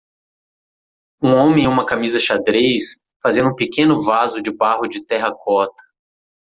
Um homem em uma camisa xadrez? fazendo um pequeno vaso de barro de terracota.